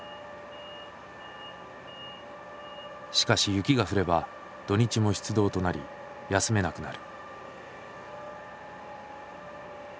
しかし雪が降れば土日も出動となり休めなくなる。